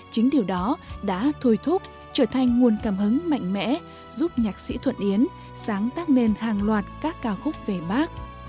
chính điều đó đã thôi thúc trở thành nguồn cảm hứng mạnh mẽ giúp nhạc sĩ thuận yến sáng tác nên hàng loạt các ca khúc về bác